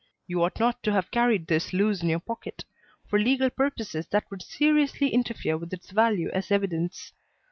You ought not to have carried this loose in your pocket. For legal purposes that would seriously interfere with its value as evidence.